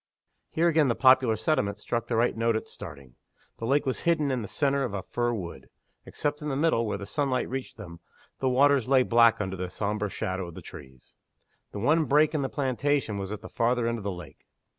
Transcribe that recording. Here again the popular sentiment struck the right note at starting. The lake was hidden in the centre of a fir wood. Except in the middle, where the sunlight reached them, the waters lay black under the sombre shadow of the trees. The one break in the plantation was at the farther end of the lake.